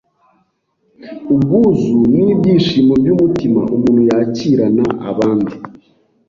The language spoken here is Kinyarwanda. Ubwuzu ni ibyishimo by’umutima umuntu yakirana abandi.